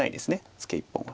ツケ１本は。